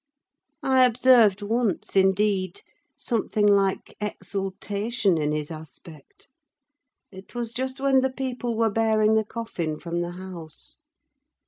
I observed once, indeed, something like exultation in his aspect: it was just when the people were bearing the coffin from the house.